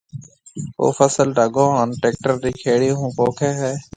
او فصل ڍڳون ھان ٽريڪٽر رِي کيڙي ھون پوکيَ ھيََََ